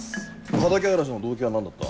畑荒らしの動機は何だった？